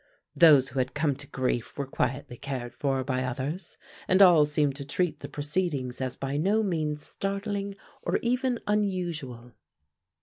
Those who had come to grief were quietly cared for by others, and all seemed to treat the proceedings as by no means startling or even unusual.